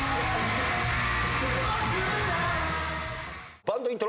バンドイントロ。